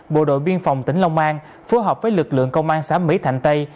bộ đội biên phòng tỉnh long an phối hợp với lực lượng công an xã mỹ thạnh tây